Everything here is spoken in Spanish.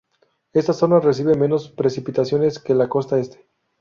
Esta zona recibe menos precipitaciones que la costa este.